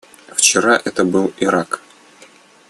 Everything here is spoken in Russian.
Вчера это был Ирак.